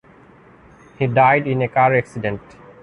He died in a car accident.